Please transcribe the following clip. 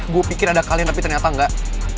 gue pikir ada kalian tapi ternyata enggak